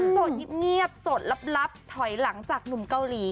โสดเหยิบเงียบโสดรับถอยหลังจากนุมเกาหลี